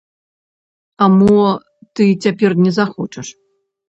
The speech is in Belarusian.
А мо ты цяпер не захочаш?